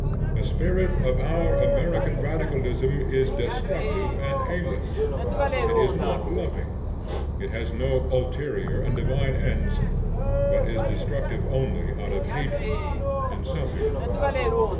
The spirit of our American radicalism is destructive and aimless: it is not loving; it has no ulterior and divine ends, but is destructive only out of hatred and selfishness.